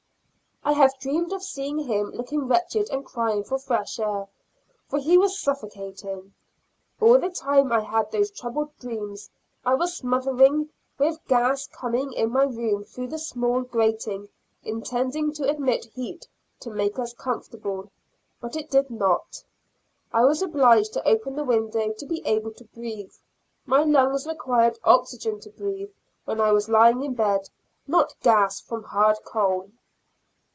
I have dreamed of seeing him looking wretched and crying for fresh air, for he was suffocating. All the time I had those troubled dreams, I was smothering with gas coming in my room through the small grating intended to admit heat to make us comfortable, but it did not. I was obliged to open the window to be able to breathe; my lungs required oxygen to breathe when I was lying in bed, not gas from hard coal.